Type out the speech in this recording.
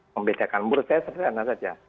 membedakan menurut saya sederhana saja